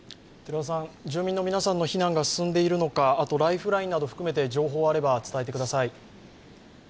住民の皆さんの避難が進んでいるのか、あとライフラインの情報などがありましたら伝えてください。